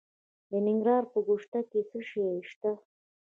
د ننګرهار په ګوشته کې څه شی شته؟